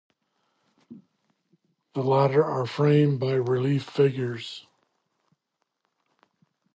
The latter are framed by relief figures.